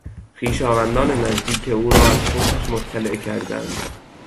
خویشاوندان نزدیک او را از فوتش مطلع کردند.